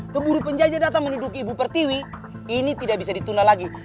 keburu penjajah datang menuduki ibu pertiwi ini tidak bisa ditunda lagi